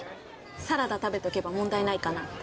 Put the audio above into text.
サラダ食べとけば問題ないかなって。